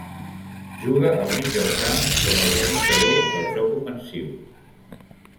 Juga al mig del camp com a organitzador del joc ofensiu.